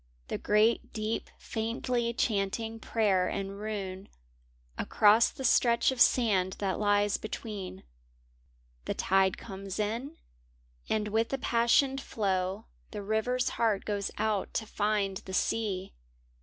The great deep faintly chanting prayer and rune Across the stretch of sand that lies between. The tide comes in, and with the passioned flow, The river's heart goes out to find the sea.